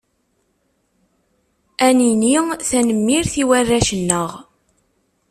Ad nini tanemmirt i warrac-nneɣ!